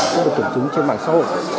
cũng được tổng chứng trên mạng xã hội